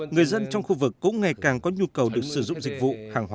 người dân trong khu vực cũng ngày càng có nhu cầu được sử dụng dịch vụ